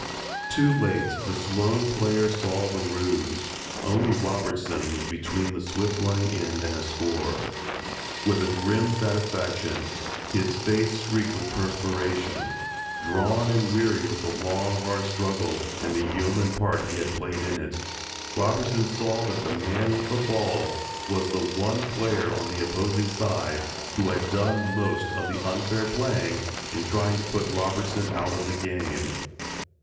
Too late the Sloan players saw the ruse. Only Robertson was between the swift running end and a score. With grim satisfaction, his face streaked with perspiration, drawn and weary with the long hard struggle and the yeoman part he had played in it, Robertson saw that the man with the ball was the one player on the opposing side who had done most of the unfair playing in trying to put Robertson out of the game.